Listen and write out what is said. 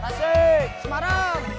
tasik semarang semarang